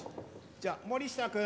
じゃあ森下君。